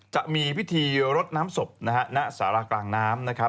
จะมีวิธีรดน้ำศพณสารากลางน้ำ